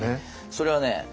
それはね